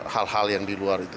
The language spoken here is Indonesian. hal hal yang di luar itu